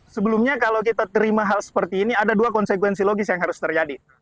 sebelumnya kalau kita terima hal seperti ini ada dua konsekuensi logis yang harus terjadi